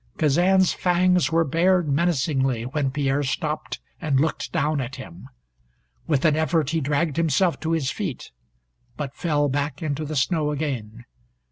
Kazan's fangs were bared menacingly when Pierre stopped and looked down at him. With an effort he dragged himself to his feet, but fell back into the snow again.